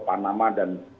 panama dan juga